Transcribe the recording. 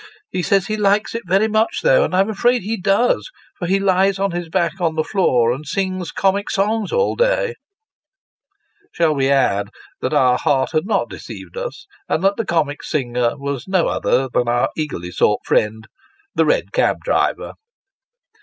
He says he likes it very much though, and I am afraid he does, for he lies on his back on the floor, and sings comic songs all day !" Shall we add, that our heart had not deceived us ; and that the comic singer was no other than our eagerly sought friend, the red cab driver